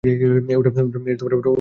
ওটা কাজ করছে না?